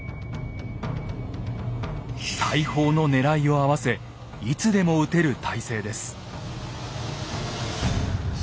大砲の狙いを合わせいつでも撃てる態勢です。